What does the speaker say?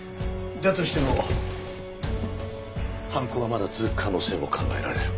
だとしても犯行はまだ続く可能性も考えられる。